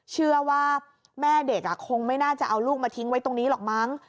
เชื่อว่าแม่เด็กคงไม่น่าจะเอาลูกมาทิ้งไว้ตรงนี้หรอกมั้ง